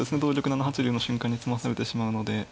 ７八竜の瞬間に詰まされてしまうので。